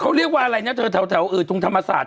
เขาเรียกว่าอะไรเนี่ยอยู่แถวแถวอื่นธุงธรรมศาสตร์